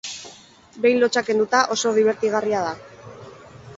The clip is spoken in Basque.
Behin lotsa kenduta, oso dibertigarria da.